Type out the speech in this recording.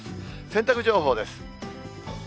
洗濯情報です。